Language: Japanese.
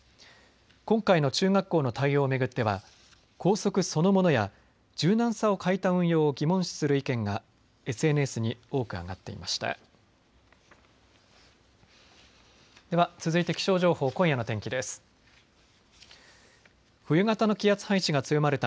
今回の中学校の対応を巡っては校則そのものや、柔軟さを欠いた運用を疑問視する意見がＳＮＳに多く挙がっていました。